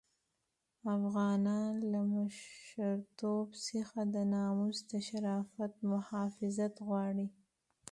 افغانان له مشرتوب څخه د ناموس د شرافت محافظت غواړي.